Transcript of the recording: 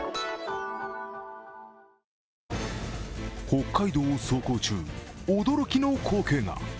北海道を走行中、驚きの光景が。